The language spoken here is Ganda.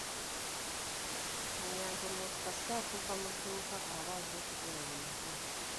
Manya nti omuntu kasita atuuka mu dduuka aba azze kugula bintu.